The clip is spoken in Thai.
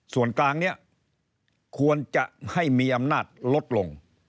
ส่วนกลางนี้ควรจะให้มีอำนาจลดลง